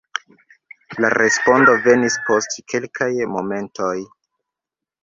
La respondo venis post kelkaj momentoj: